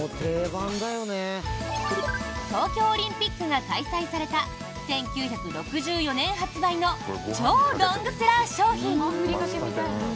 東京オリンピックが開催された１９６４年発売の超ロングセラー商品。